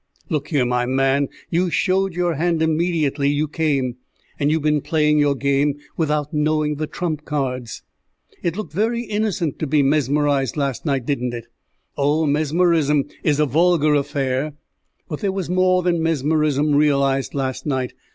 Look here, my man, you showed your hand immediately you came, and you've been playing your game without knowing the trump cards. It looked very innocent to be mesmerized last night, didn't it? Oh, mesmerism is a vulgar affair; but there was more than mesmerism realized last night.